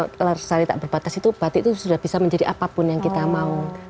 kalau secara tak berbatas itu batik itu sudah bisa menjadi apapun yang kita mau